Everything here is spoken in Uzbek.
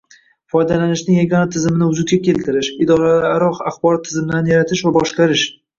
va foydalanishning yagona tizimini vujudga keltirish, idoralararo axborot tizimlarini yaratish va boshqarish;